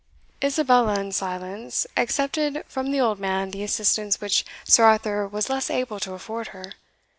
Isabella, in silence, accepted from the old man the assistance which Sir Arthur was less able to afford her.